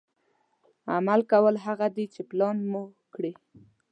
عمل کول هغه دي چې پلان مو کړي.